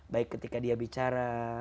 baik ketika dia bicara